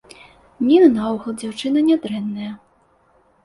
Ніна наогул дзяўчына нядрэнная.